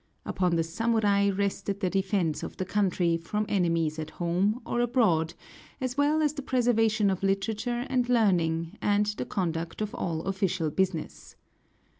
Upon the samurai rested the defense of the country from enemies at home or abroad, as well as the preservation of literature and learning, and the conduct of all official business.